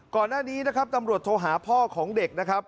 ก่อนหน้านี้นะครับตำรวจโทรหาพ่อของเด็กนะครับ